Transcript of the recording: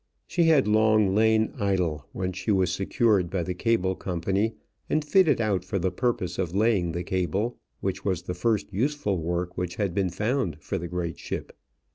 She had long lain idle when she was secured by the cable company and fitted out for the purpose of laying the cable, which was the first useful work which had been found for the great ship.